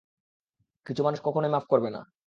কিছু মানুষ কখনোই মাফ করবে না।